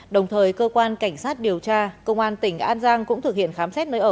đồng thời cơ quan cảnh sát điều tra công an tỉnh an giang cũng thực hiện khám xét nơi ở